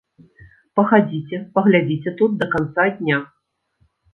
Пахадзіце, паглядзіце тут да канца дня.